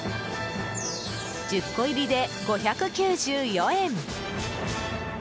１０個入りで５９４円。